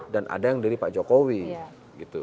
dan ada yang dari pak jokowi